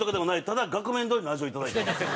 ただ額面どおりの味をいただいてます。